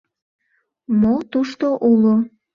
Мо тушто уло?..